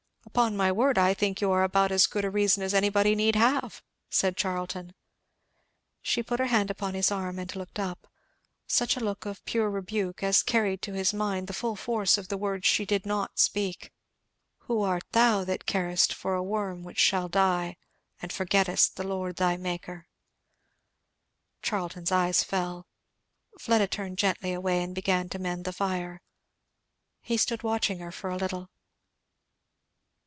"Upon my word, I think you are about as good reason as anybody need have," said Charlton. She put her hand upon his arm and looked up, such a look of pure rebuke as carried to his mind the full force of the words she did not speak, 'Who art thou that carest for a worm which shall die, and forgettest the Lord thy Maker!' Charlton's eyes fell. Fleda turned gently away and began to mend the fire. He stood watching her for a little.